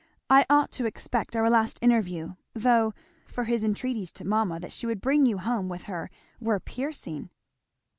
I ought to except our last interview, though, for his entreaties to mamma that she would bring you home with her were piercing."